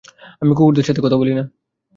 আমি কুকুরদের সাথে কথা বলি না।